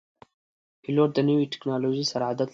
پیلوټ د نوي ټکنالوژۍ سره عادت لري.